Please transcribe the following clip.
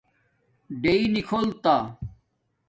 ڈیئ نکھِتا